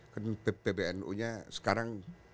kan pbnu nya sekarang